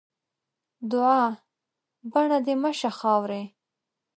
دوعا؛ بڼه دې مه شه خاوري.